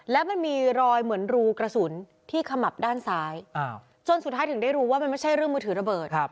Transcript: แล้วมันมีรอยเหมือนรูกระสุนที่ขมับด้านซ้ายจนสุดท้ายถึงได้รู้ว่ามันไม่ใช่เรื่องมือถือระเบิด